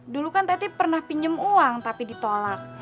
dulu kan teti pernah pinjam uang tapi ditolak